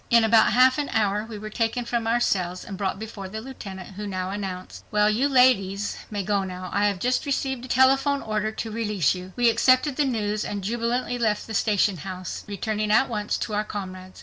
In about half an hour we were taken from our cells and brought before the Lieutenant, who now announced, "Well, you ladies may go now,—I have just received a telephone order to release you." We accepted the news and jubilantly left the station house, returning at once to our comrades.